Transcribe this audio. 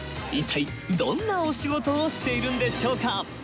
一体どんなお仕事をしているんでしょうか？